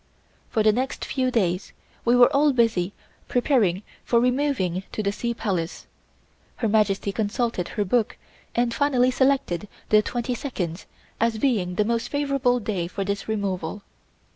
For the next few days we were all busy preparing for removing to the Sea Palace. Her Majesty consulted her book and finally selected the 22d as being the most favorable day for this removal.